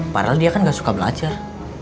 padahal dia kan gak suka belajar